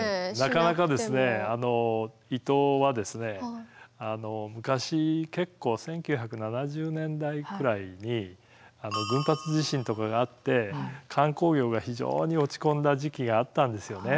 なかなか伊東は昔結構１９７０年代くらいに群発地震とかがあって観光業が非常に落ち込んだ時期があったんですよね。